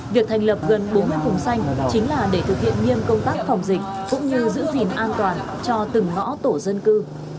việc thành lập gần bốn mươi vùng xanh chính là để thực hiện nghiêm công tác phòng dịch cũng như giữ gìn an toàn cho từng ngõ tổ dân cư